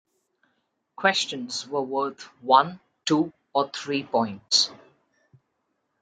Questions were worth one, two or three points.